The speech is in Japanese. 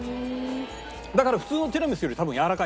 だから普通のティラミスより多分やわらかい。